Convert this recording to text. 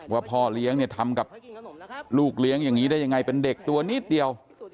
ว่าพ่อเลี้ยงเนี่ยทำกับลูกเลี้ยงอย่างนี้ได้ยังไงเป็นเด็กตัวนิดเดียว